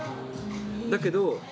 だけど